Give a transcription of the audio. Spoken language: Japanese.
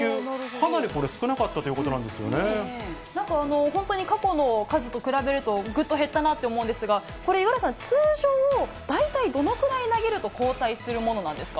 かなりこれ、少なかったというこなんか、本当に過去の数と比べると、ぐっと減ったなと思うんですが、これ、五十嵐さん、通常、大体、どのくらい投げると交代するものなんですか。